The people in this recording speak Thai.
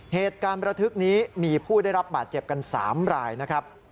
เหตุการณ์ประทึกนี้มีผู้ได้รับบาดเจ็บกัน๓รายนะครับ